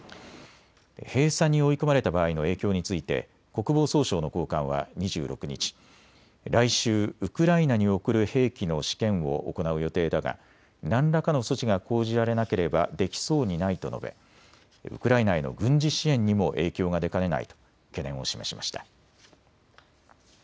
閉鎖に追い込まれた場合の影響について国防総省の高官は２６日、来週ウクライナに送る兵器の試験を行う予定だが何らかの措置が講じられなければできそうにないと述べウクライナへの軍事支援にも影響が出かねないと懸念を示しました。